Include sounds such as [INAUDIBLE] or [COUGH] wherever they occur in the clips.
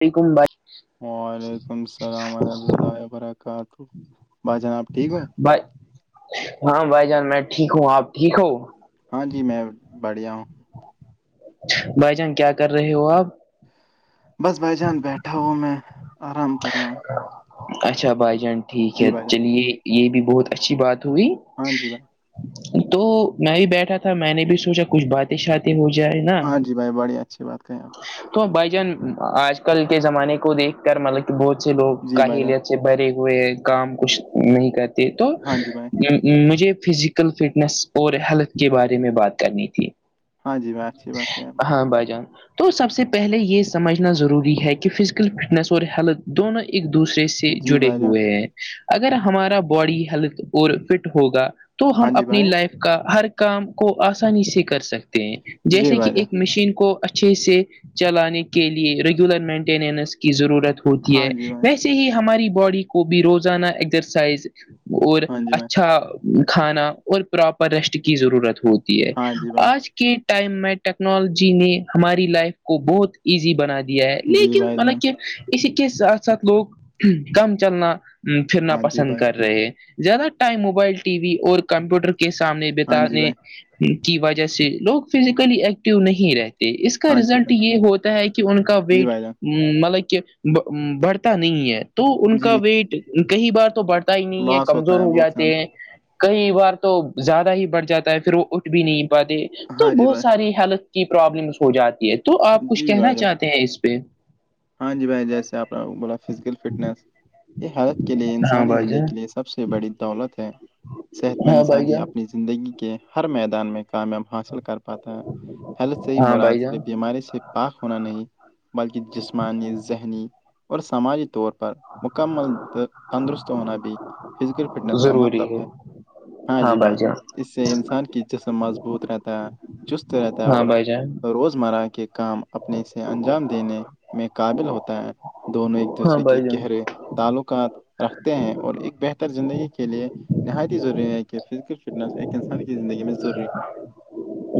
وعلیکم بھائی وعلیکم السلام ورحمۃ اللہ وبرکاتہ بائی جناب ٹھیک ہو بھائی ہاں بھائی جان میں ٹھیک ہوں آپ ٹھیک ہو ہاں جی میں بڑھیا ہوں بھائی جان کیا کر رہے ہو آپ بس بائی جان بیٹھا ہو میں آرام کر رہا ہوں اچھا بھائی جان ٹھیک جی ہے بھائی جان چلیے یہ بھی بہت اچھی بات ہوئی ہاں جی بھائی تو میں بھی بیٹھا تھا میں نے بھی سوچا کچھ بات شی ہو جائے نا ہاں جی بھائی بڑی اچھی بات کہی آپ نے تو بھائی جان آج کل کے زمانے کو دیکھ کر مطلب کہ بہت سے لوگ جی بھائی جان کاہیلیت بھرے ہوئے کام کچھ نہیں کرتے تو ہاں جی بھائی مجھے فزیکل فٹنس اور ہیلتھ کے بارے میں بات کرنی تھی ہاں جی بھائی اچھی بات کہی آپ نے ہاں بائی جان تو سب سے پہلے یہ سمجھنا ضروری ہے کہ فزیکل فٹنس اور ہیلتھ دونوں ایک دوسرے سے سے جی جڑے بھائی جان ہوئے ہیں اگر ہمارا باڈی ہیلتھ اور فٹ ہوگا تو تو ہم ہاں جی اپنی بھائی لائف کا ہر کام کو آسانی سے کر سکتے ہیں جی جیسے کہ بھائی جان ایک مشین کو اچھے سے چلانے کے لیے ریگولر مینٹیننس کی ضرورت ہوتی ہاں ہے جی بھائی ویسے سے ہی ہماری باڈی کو بھی روزانہ ایکزرسائز اور ہاں جی بھائی اچھا کھانا اور پراپر ریسٹ کی ضرورت ہوتی ہے ہاں جی بھائی آج کے ٹائم میں ٹیکنالوجی نے ہماری لائف کو بہت ایزی بنا دیا ہے جی لیکن بھائی جان مطلب کہ اسی کے ساتھ ساتھ لوگ کام چلنا پھرنا ہاں جی پسند بھائی کر رہے ہیں زیادہ ٹائم موبائل ٹی وی اور کمپیوٹر کے سامنے ہاں جی بتانے بھائی کی وجہ سے لوگ فزیکلی ایکٹو نہیں رہتے اس کا ہاں جی رزلٹ بھائی یہ ہوتا ہے کہ ان کا جی ویٹ بھائی جان مطلب کہ بڑھتا نہیں ہے تو ان کا جی ویٹ کئی بار تو بڑھ پتا ہی نہیں ہے لاس ہوتا کمزور ہو بہت جاتے ہیں سارا کئی بار تو زیادہ ہی بڑھ جاتا ہے پھر وہ اٹھ بھی نہیں پاتے تو ہاں جی بہت بھائی ساری ہیلت کی پرابلمس ہو جاتی ہے تو آپ کچھ جی کہنا بھائی جان چاہتے ہیں اس پہ ہاں جی بھائی جیسے آپنا بولا فزیکل فٹنس یہ حالت کے لیے ہاں انسانی بھائی زندگی جان کے لیے سب سے بڑی دولت ہے صحت مند ہاں انسان بھائی ہی جان اپنی زندگی کے ہر میدان میں کامیاب حاصل کر پاتا ہے ہیلتھ سے ہاں مراد بھائی جان بیماری سے پاک ہونا نہیں بلکہ جسم جسمانی ذہنی اور سماجی طور پر مکمل تو تندرست ہونا بھی فزیکل فٹنیس کا مطلب ہے ہاں بھائی جان اس سے انسان کی جسم مضبوط رہتا ہے چست رہتا ہے ہاں اور بھائی جان روزمرہ کے کام اپنے سے انجام دینے میں قابل ہوتا ہے دونوں ایک ہاں دوسرے کے بھائی جان گہرے تعلقات رکھتے ہیں اور ایک بہتر زندگی کے لیے نہایت ہی ضروری ہے کہ فزیکل فٹنس ایک انسان کی زندگی میں ضروری ہو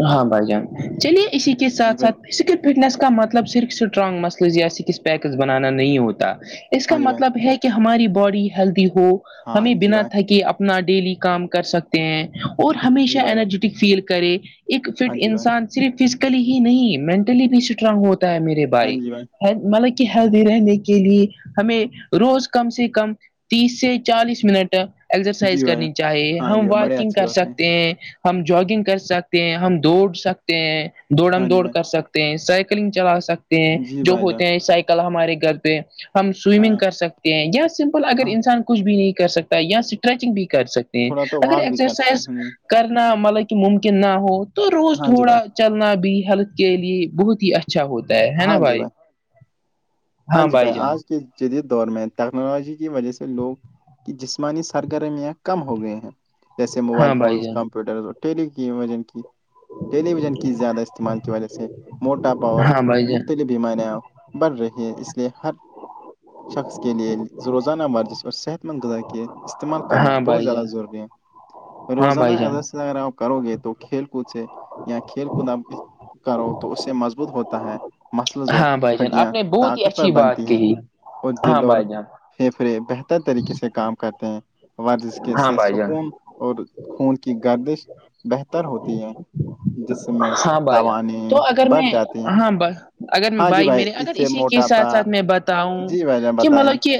ہاں بھائی جان چلیے اسی کے جی ساتھ بھائی ساتھ اس کے فٹنس کا مطلب صرف اسٹرانگ مسلز یا اس کس پیکس بنانا نہیں ہوتا اس کا ہاں جی بھائی مطلب ہے کہ ہماری باڈی ہیلدی ہو ہاں ہمیں جی بنا بھائی تھکے اپنا ڈیلی کام کر سکتے ہیں اور ہمیشہ جی بھائی جان انرجیٹک فیل کرے ایک ہاں فٹ جی بھائی انسان صرف فزیکلی ہی نہیں مینٹلی بھی اسٹرانگ ہوتا ہے میرے ہاں بھائی جی مطلب کہ ہیلدی رہنے کے لیے ہمیں روز کم سے کم تیس سے چالیس منٹ جی اسرسائز بھائی جان کرنی چاہیے ہاں جی ہم بھائی بڑے واکنگ اچھی کر بات ہے سکتے ہیں ہم جگنگ کر سکتے ہیں ہم دوڑ سکتے ہیں دوڑ ہم ہاں جی دوڑ کر بھائی سکتے ہیں سائیکلنگ چلا سکتے جی جو بھائی جان ہوتے ہیں سائیکل ہمارے گھر پہ ہم ہاں سوئمنگ کر سکتے ہیں یا سمپل اگر ہاں انسان کچھ بھی نہیں کر سکتا یا اسٹریچنگ بھی کر سک تھوڑا تو اگر واک بھی کر سکتے اگزرسائز ہیں کرنا مطلب کہ ممکن نہ ہو تو روز ہاں جی بھائی تھوڑا چلنا بھی ہیلتھ کے لیے بہت ہی اچھا ہوتا ہے ہے نا ہاں جی بھائی ہاں جی بھائی جان آج کے جدید دور میں ٹیکنالوجی کی وجہ سے لوگ کی جسمانی سرگرمیاں کم ہو گئے ہیں جیسے موبائل ہاں بھائی فونز جان کمپیوٹرز اور ٹیلی کی وجن کی ٹیلی ویژن کی زیادہ استعمال کی وجہ سے موٹا پاور ہاں بھائی جان ہیں بیماریاں بڑھ رہی ہیں اس لیے ہر شخص کے لیے روزانہ ورزش اور صحت مند غذا کیے استعمال کرنا ہاں بہت بھائی زیادہ جان ضروری ہے ہاں روزانہ بھائی جان اگر اگر آپ کرو گے تو کھیل کود سے یا کھیل کود آپ کرو تو اس سے مضبوط ہوتا ہے مسلز اور ہاں بھائی جان آپ ہڈیاں نے بہت ہی طاقتور اچھی بات بنتی ہیں کہی اور ہاں دل اور بھائی جان پھیپھڑے بہتر طریقے سے کام کرتے ہیں ورزش کے ہاں سے بھائی جان سکون اور خون کی گردش بہتر ہوتی ہے جس میں ہاں باجا ن تو توانائی اگر میں بڑھ جاتی ہے ہاں اگر ہاں جی بھائی میرے اگر اس سے اسی کے موٹاپا ساتھ ساتھ میں بتاؤں جی بھائی جان کہ بتائیں مطلب کہ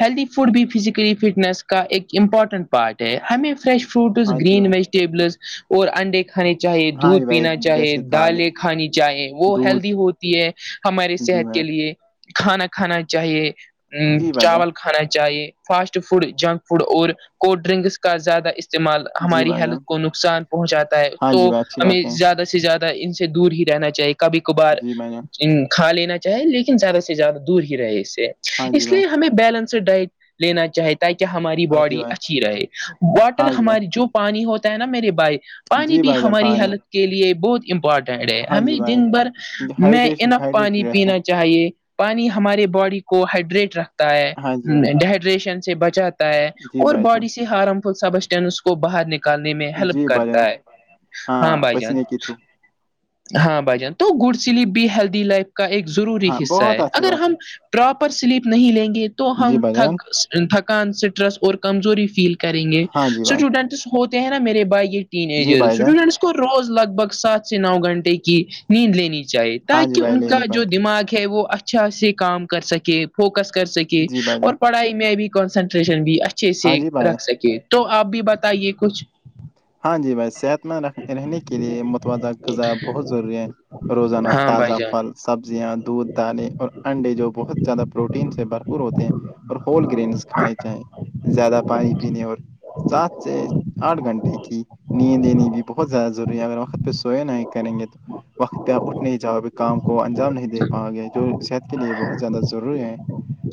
ہیلدی فوڈ بھی فزیکلی فٹنس کا ایک امپورٹنٹ پارٹ ہے ہمیں فریش فروٹس ہاں جی گرین بھائی ویجیٹیبلس اور انڈے کانے چاہیے ہاں جی دودھ بھائی چاہے جیسے دالیں کھانی چاہیں وہ دودھ ہیلدی ہوتی ہے ہمارے جی صحت کے بھائی لیے کھانا کھانا چاہیے جی بھائی جان چاول کھانا چاہیے فاسٹ فوڈ جنک فوڈ اور کولڈ ڈرنکس کا زیادہ است استعمال جی ہماری بھائی ہیلتھ جان کو نقصان پہنچاتا ہے ہاں تو جی بھائی اچھی ہمیں بات ہے سے زیادہ ان سے دور ہی رہنا چاہیے کبھی کبھار جی بھائی جان کھا لینا چ لیکن زیادہ سے زیادہ دور ہی رہے اس سے ہاں جی اس بھائی لیے ہمیں بیلنس ڈائٹ لینا چاہیتے ت کہہ ہماری ہاں جی باڈی بھائی اچھی رہے واٹر ہاں جی ہماری بھائی جو پانی ہوتا ہے نا میرے بائی پانی جی بھی بھائی جان ہماری پانی ہیلتھ کے لیے بہت امپورٹنٹ ہے ہاں جی ہمیں بھائی دن بھر کیونکہ میں ہائیڈریشن انف ہائیڈریٹ پانی رہتا پینا ہے۔ چاہیے پانی ہمارے باڈی کو ہائڈریٹ رکھتا ہے ہاں جی بھائی ڈ ہائیڈریشن سے بچات ہے جی اور بھائی جان باڈی سے ہارم فل سبسٹینس کو باہر نکل کالنے میں ہیلپ جی بھائی کرتا جان ہے ہاں بھائی جان پسینے کے تھرو ہاں بھجن تو گڈ سلی ہیلدی لائ کا ایک ضروری ہاں حصہ بہت ہے اچھی اگر بات ہے ہم پراپر سلیپ نہیں لیں گے تو جی ہم بھائی جان تھک تھکان اسٹریس اور کمزوری فیل کریں گے ہاں جی بھائی اسٹوڈینٹس ہوتے ہیں نا میرے بھائی یہ ین جی ایجر بھائی جان اسٹوڈینٹس کو روز لگ بھگ سات سے نو گھنٹے کی نیند لینی چاہیے ہاں جی تاکہ بھائی ان لے کا نہیں جو پڑتے دماغ ہے وہ اچھا سے کام کر سکے فوکس کر سکے جی بھائی جان اور پڑھائی میں بھی کنسنٹریشن بھی اچھے ہاں سے جی بھائی رکھ سکے تو آپ بھی بتائیے کچھ ہاں جی بھائی صحت مند رکھ رہنے کے لیے دہ غذایا بہت ضروری ہے روزانہ ہاں بھائی تازہ جان پھل سبزیاں دودھ دالیں اور انڈے جو بہت زیادہ پروٹین سے بھرپور ہوتے ہیں اور ہول گرین کھانے چاہیں زیادہ پانی پینے اور سات سے آٹھ گھنٹے کی نیند دینی بھی بہت زیادہ ضروری ہے اگر وقت پہ سوئے نہ کریں گے تو وقت پ اٹھ نہیں جاؤ کام کو انجام نہیں دے پاؤ گے جو صحت کے لیے بہت زیادہ ضروری ہیں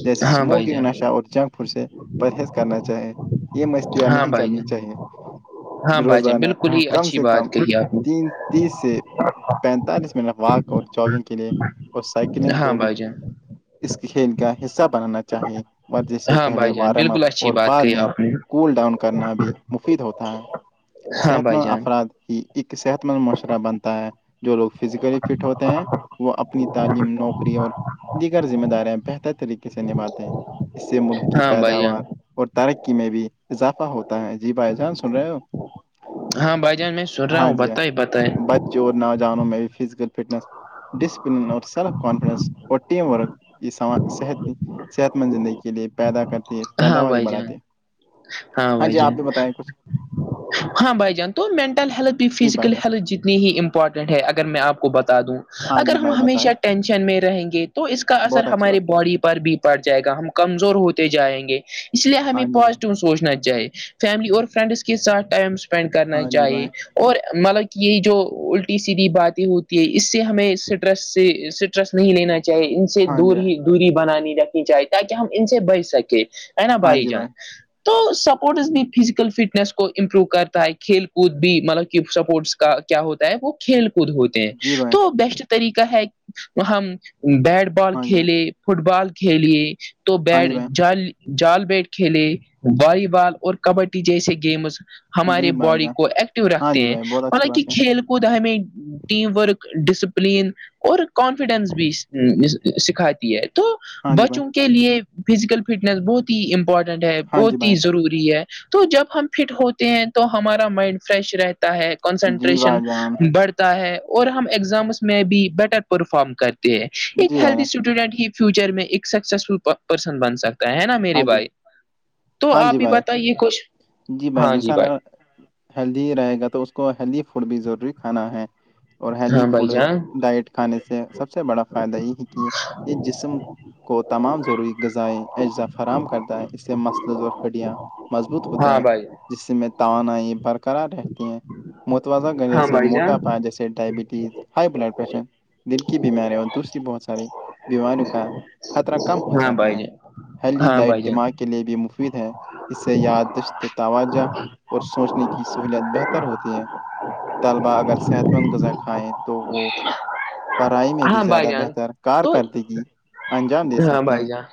جیسے ہاں بھائی سموکنگ جان نشہ اور جنک فوڈ سے پرہیز کرنا چاہیں یہ مشار ہاں نہیں بھائی کرنی جان چاہیے ہاں بھائی جان روزانہ بالکل ہی کم اچھی سے کم بات کہی آپ نے تین تیس سے پینتالیس منٹ واک اور جگنگ کے لیے اور سائیکلنگ ہاں کو بھی بھائی جان اس کھیل کا حصہ بنانا چاہیے جس سے ہاں پہلے بھائی جان وارم اپ بالکل اچھی اور بات بعد کہی میں آپ نے کول ڈاؤن کرنا بھی مفید ہوتا ہے ہاں صحت بھائی مند جان افراد ہی ایک صحت مند معاشرہ بنتا ہے جو لوگ فزیکلی فٹ ہوتے ہیں وہ اپنی تعلیم نوکری اور دیگر ذمہ داریاں بہتر طریقے سے نبھاتے ہیں اس سے ملک کی ہاں بھائی جان پیداوار اور ترقی میں بھی اضافہ ہوتا ہے جی بھائی جان سن رہے ہو ہاں بھائی جان میں سن رہا ہاں ہوں جی ہاں بتائے بتائے بچے اور نہوجانوں میں بھی فزیکل فٹنس ڈسپلین اور سیلف کانفڈنس ٹیم ورک یہ صحت صحت مند زندگی کے لیے پیدا کرتی ہے ہاں پیداواری بھائی جان بڑھاتی ہے ہاں بھائی جی آپ جان بھی بتائیں کچھ ہاں بھائی جان تو مینٹل ہیلتھ جی بھائی فزیکل جان ہیلتھ جتنی ہی امپ مپٹنٹ ہے اگر میں آپ کو بتا دوں ہاں اگر جی ہم بھائی ہمیشہ بتائیں ٹینشن میں رہیں گے تو اس کا اثر بہت اچھی ہمارے بات ہے باڈی پر بھی پڑ جائے گا ہم کمزور ہوتے جائیں گے اس لیے ہمیں ہاں جی بھائی پازیٹیو سوچنا چاہیے فیملی اور فرینڈس کے ساتھ ٹائم اسپینڈ کرنا ہاں جی چاہیے بھائی اور مطلب کہ یہی جو الٹی سیدھی باتیں ہوتی ہے اس سے ہمیں سٹریس سے رسٹ نہیں لینا چاہے ان سے ہاں جی دور بھائی ہی دوری بنانی رکھی جائے تاکہ ہم ان سے بچ سکیں ہے نا ہاں بھائی جی جان تو سپورٹس بھی فزیکل فٹنیس کو امپروو کرتا ہے کھیل کود بھی مطلب کہ سپورٹس کیا ہوتا ہے وہ کھیل کود ہوتی جی بھائی تو بیسٹ طریقہ ہے ہم بیٹ بال ہاں جی بھائی کھیلے فٹ بال کھیلیے تو ہاں بیٹ جی بھائی جال جال بیٹ کھیلے والی بال اور کبڈی جیسے گیمز جی ہمارے بھائی باڈی جان کو ایکٹیو ہاں رکھتے جی ہیں بھائی بہت مل اچھی کہ بات ہے کھیل کود ہمیں ٹیم ورک ڈسپلین اور کانفیڈینس بھی سکھاتی ہے تو ہاں جی بھائی بچوں کے لیے فزیکل فٹنس بہت ہی امپورٹنٹ ہے ہاں جی بہت ہی بھائی ضروری ہے تو جب ہم فٹ ہوتے ہیں تو ہمارا مائنڈ فریش رہتا ہے جی کنسنٹریشن بھائی جان بڑھتی ہے اور ہم ایگزامس میں بھی بیٹر پرفارم کرتے ہیں ایک جی بھائی ہیلدی جان اسٹوڈنٹ ہی فیوچر میں ایک سکسیسفل پرسن بن سکتا ہے نا میرے ہاں جی بھائی تو ہاں آپ جی بھی بھائی بتائیے کچھ ہاں جی بھائی ہیلدی رہے گا تو اس کو ہیلدی فوڈ بھی ضروری کھانا ہے اور ہیلدی ہاں بھائی فوڈ جان ڈائٹ کھانے سے سب سے بڑا فائدہ یہ ہے کہ یہ جسم کو تمام ضروری غذائیں اجزاف فراہم کرتا ہے اس سے مسل اور ہڈیاں مضبوط ہوتے ہاں ہیں بھائی جس سے میں توانائی برقرار رہتی ہیں متوازہ گجے ہاں سے بھائی موٹا جان پاائے جیسے ڈائبٹیز ہائی بلڈ پریشر دل کی بیماری اور دوسری بہت ساری بیماریوں کا خطرہ کم ہو ہاں جاتا بھائی ہے جان ہیلی ہاں ڈائٹ بھائی جان دماغ کے لیے بھی مفید ہے اس سے یادشت توجہ اور سوچنے کی سہولت بہتر ہوتی ہیں طلبا اگر صحت مند غذا کھائیں تو وہ پڑھائی میں بھی ہاں بھائی زیادہ جان بہتر تو کارکردگی انجام دے ہاں سکتے بھائی ہیں جان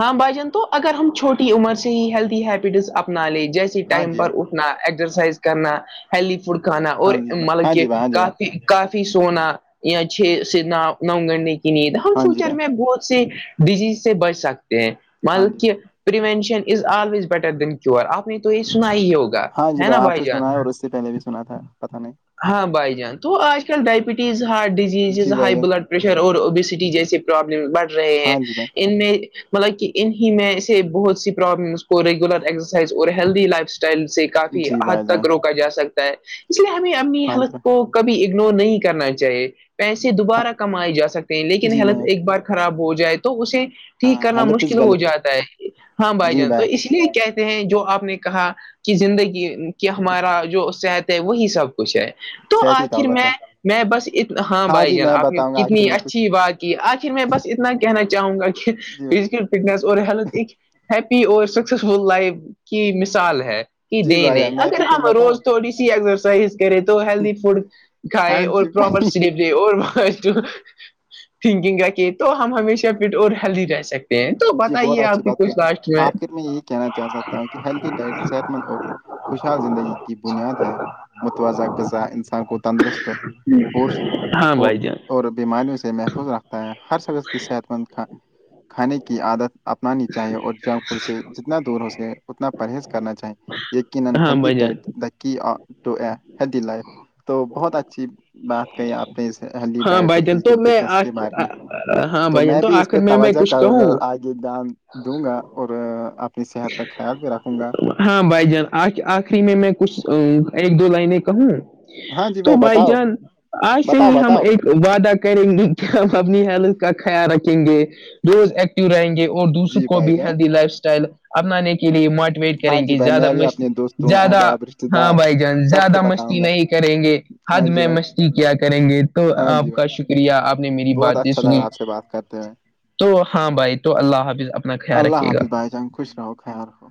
ہاں بھ جان تو اگر ہم چھوٹی عمر سے ہی ہیلدی ہیبٹس اپنا لے جیسے ہاں ٹائم جی پر بھائی اٹھنا ایکسرسائز کرنا ہیلدی فوڈ کھانا اور ہاں جی بھائی مطلب ہاں کہ جی بھائی کافی کافی سونا یا چھ سے نو گننے کی نیند ہم ہاں جی فیوچر بھائی میں بہت سے ڈیزیز سے بچ سکتے ہیں ہاں جی بھائی ہاں جی مک بھائی prevention is always better than جو آپ نے تو یہ سنا ہی ہوگا ہاں جی ہے نا آپ بھائی سے جان سنا ہے اور اس سے پہلے بھی سنا تھا پتہ نہیں ہاں بھائی جان تو آج کل ڈائبٹیز ہارٹ ڈیزز جی جز بھائی ہائی جان بلڈ پریشر اور اوبیسٹی جیس پرابلم بڑھ رہے ہیں ہاں جی بھائی ان میں مطلب کہ ان ہی میں سے بہت سی پرابلمس کو ریگولر اور ہیلدی لائف اسٹائل سے کافی جی حد بھائی جان تک روکا جا سکتا ہے اس لیے ہمیں اپنی ہاں جی حلت بھائی کو کبھی اگنور نہیں کرنا چاہیے پیسے ہاں دوبارہ کمائے جا سکتے لیکن جی بھائی ہیلت ایک بار خراب ہو جائے تو اسے ٹھیک ہاں کرنا حلت از مشکل ہو ولت جاتا ہے ہاں بھائی جان تو اس لیے کیا ہیں جو آپ نے کہا کہ زندگی کے ہمارا جو صحت ہے وہی سب کچھ ہے تو صحت ہی آخر دولت ہے میں میں بس ات ہاں بھائی جی جان میں آپ نے بتاؤں گا آخر کتنی میں کچھ اچھی بات کی آر بس اتنا کہنا چاہوں گا کہ جی بھائی فز فٹس اور ہیلتھ ایک ہیپی اور سکسیزفل لائف کی مثال ہے کہ جی بھائی دنے جان، میں اگر بھی ہم کچھ بتاؤں روز تھوڑی سی ایکسرسائز کرے تو ہیلدی فوڈ کھائے ہاں اور جی پراپر بھائی س اور تھنکنگ کا کے تو ہم ہمیشہ پٹ اور ہیلدی رہ سکتے ہیں تو جی بہت بتائیے اچھی آپ کی بات کہ کچھ لاسٹ آخر میں یہی کہنا چاہ سکتا ہوں کہ ہیلدی ڈائٹ صحت مند اور خوشحال زندگی کی بنیاد ہے متوازہ غذا انسان کو تندرست پ ہاں بھائی جان اور بیماریوں سے محفوظ رکھ ہر شخص کی صحت مند کھانے کی عادت اپنانی چاہیے اور جنک فوڈ سے ج نا دور ہو سکے اتنا پرہیز کرنا چاہے ہاں یقنہلدی بھائی جان ڈائٹ دی ہیی لائف تو بہت اچھی بات کہیں آپ اپ ہیلدی ہاں ڈائٹ اور بھائی جان تو فزیکل میں فٹنس کے بارے میں ہاں تو بھائی جان میں بھی اس آخر پہ میں میں توجہ کچھ کروں گا کہوں دان دوں گا اور اپنی صحت کا خیال بھی رکھوں گا ہاں بھائی جان آخری میں میں کچھ ایک دو لائن کہوں ہاں جی تو بھائی بتاؤ جان آج سے بتاؤ ہی ہم بتاؤ ایک وعدہ کریں گے کہ ہم اپنی حالت کا خیال رکھیں گے روز ایکٹیو رہیں گے اور دوسروں جی کو بھائی بھی جان ہیلدی لائف اسٹائل اپنانے کے لیے موٹیویٹ ہاں کریں جی گے بھائی زیادہ میں بھی مست اپنے دوستوں زیادہ احباب رشتہ ہاں دار بھائی جان سب کو زیادہ مستی بتاؤں گا نہیں کریں گے ہاں حد جی میں بھائی مستی کیا کریں گے تو ہاں آپ جی بھائی کا شکریہ آپ نے میری بہت باتیں اچھا سنی لگا [INAUDIBLE] تو ہاں بھائی تو اللہ حافظ اپنا خیال اللہ رکھیے گا حافظ بھائی جانگ خوش رہو خیال رہو